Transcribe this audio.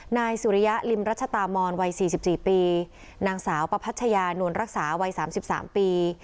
นายสุริยะริมรัชตามอนวัย๔๔ปีนางสาวประพัชญานวลรักษาวัย๓๓ปี